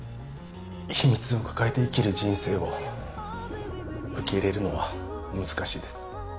秘密を抱えて生きる人生を受け入れるのは難しいです